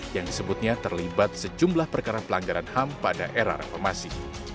yang disebutnya terlibat sejumlah perkara pelanggaran ham pada era reformasi